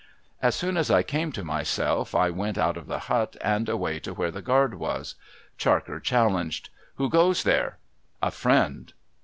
As soon as I came to myself, I went out of the hut, and away to where the guard was. Charker challenged :' Who goes there ?'' A friend.'